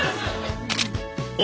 お！